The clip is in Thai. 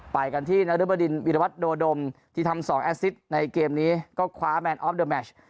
ไปกันที่นรึบดินวิรวัตโดดมที่ทำ๒แอสซิตในเกมนี้ก็คว้าแมนออฟเดอร์แมช